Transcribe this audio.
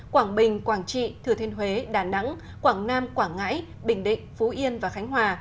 quảng bình quảng trị thừa thiên huế đà nẵng quảng nam quảng ngãi bình định phú yên và khánh hòa